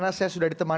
ini di atas kataviv